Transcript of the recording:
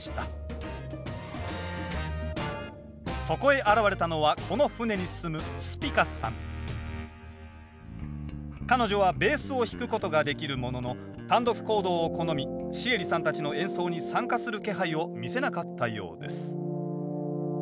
そこへ現れたのはこの船に住む彼女はベースを弾くことができるものの単独行動を好みシエリさんたちの演奏に参加する気配を見せなかったようです